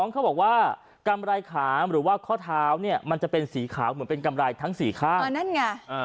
เขาบอกว่ากำไรขามหรือว่าข้อเท้าเนี่ยมันจะเป็นสีขาวเหมือนเป็นกำไรทั้งสี่ข้างนั่นไง